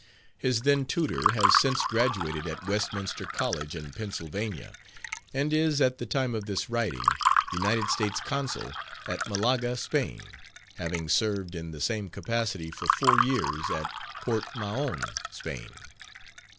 His then tutor has since graduated at Westminster College in Pennsylvania, and is, at the time of this writing, United States Consul at Malaga, Spain, having served in the same capacity for four years at Port Mahon, Spain.